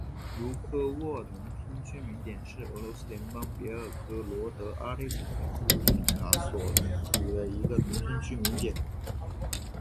茹科沃农村居民点是俄罗斯联邦别尔哥罗德州阿列克谢耶夫卡区所属的一个农村居民点。